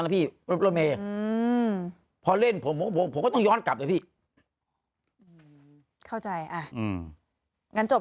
เปรียบเทียบ